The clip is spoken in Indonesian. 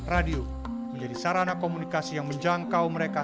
radio menjadi sarana komunikasi yang menjangkau mereka